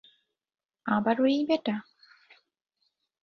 আবারও এই ব্যাটা?